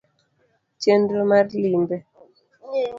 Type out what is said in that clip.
chenro mar limbe: